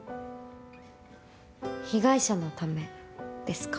被害者のためですか？